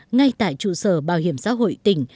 ngay tại trụ sở bảo hiểm xã hội tỉnh